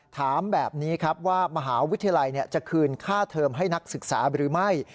ถามแบบนี้ครับว่ามหาวิทยาลัยจะคืนค่าเทอมให้นักศึกษาหรือไม่